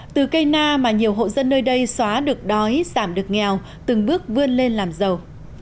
từ cây na mà nhiều hộ dân nơi đây xóa được đói giảm được nghèo từng bước vươn lên làm giàu